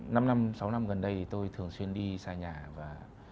năm năm sáu năm gần đây thì tôi thường xuyên đi xa nhà và